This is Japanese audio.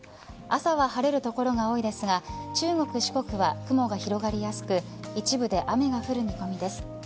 朝は晴れる所が多いですが中国、四国は雲が広がりやすく一部で雨が降る見込みです。